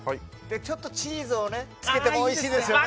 ちょっとチーズをつけてもおいしいですよね。